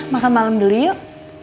makan malem dulu yuk